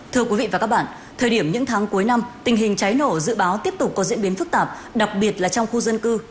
thưa quý vị và các bạn thời điểm những tháng cuối năm tình hình cháy nổ dự báo tiếp tục có diễn biến phức tạp đặc biệt là trong khu dân cư